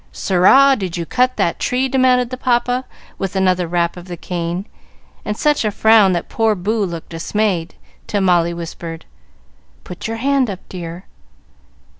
"Sirrah, did you cut that tree?" demanded the papa, with another rap of the cane, and such a frown that poor Boo looked dismayed, till Molly whispered, "Put your hand up, dear."